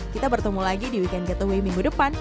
kita bertemu lagi di weekend getaway minggu depan